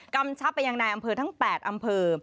กำชับไปยังนายอำเภอทั้ง๘อำเภอ